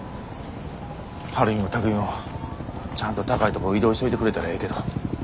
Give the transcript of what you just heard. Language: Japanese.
晴美も巧海もちゃんと高いとこ移動しといてくれたらええけど。